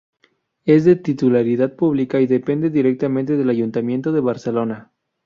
Es de titularidad pública y depende directamente del Ayuntamiento de Barcelona.